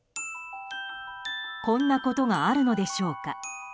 こんなことがあるのでしょうか。